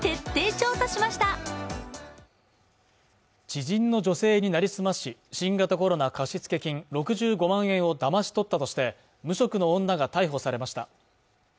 知人の女性になりすまし新型コロナ貸付金６５万円をだまし取ったとして無職の女が逮捕されました